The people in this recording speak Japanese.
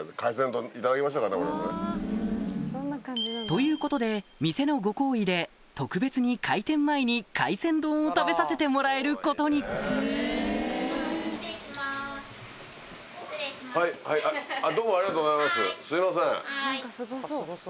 ということで店のご厚意で特別に開店前に海鮮丼を食べさせてもらえることに失礼します。